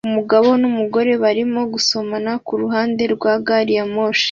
Umugabo numugore barimo gusomana kuruhande rwa gari ya moshi